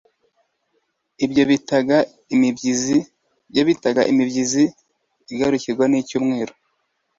ibyo bitaga IMIBYIZI igakurikirwa n'icyumweru